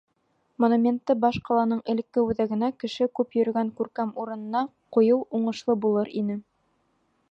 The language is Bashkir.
Монументты баш ҡаланың элекке үҙәгенә, кеше күп йөрөгән күркәм урынына ҡуйыу уңышлы булыр ине.